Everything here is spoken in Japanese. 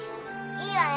いいわよ。